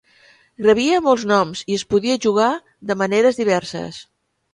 Rebia molts noms i es podia jugar de maneres diverses.